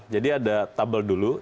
jadi ada tabel dulu